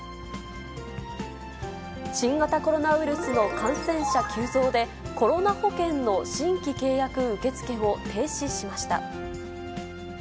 新型コロナウイルスの感染者急増で、コロナ保険の新規契約受け付けを停止しました。